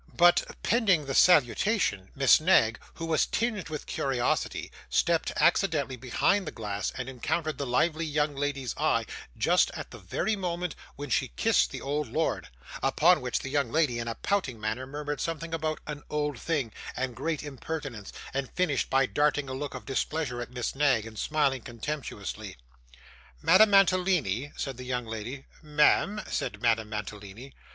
But, pending the salutation, Miss Knag, who was tinged with curiosity, stepped accidentally behind the glass, and encountered the lively young lady's eye just at the very moment when she kissed the old lord; upon which the young lady, in a pouting manner, murmured something about 'an old thing,' and 'great impertinence,' and finished by darting a look of displeasure at Miss Knag, and smiling contemptuously. 'Madame Mantalini,' said the young lady. 'Ma'am,' said Madame Mantalini.